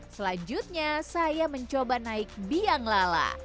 selanjutnya saya mencoba naik bianglala